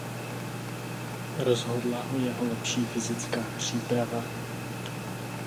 Rozhodla ho jeho lepší fyzická příprava.